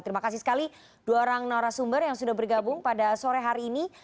terima kasih sekali dua orang narasumber yang sudah bergabung pada sore hari ini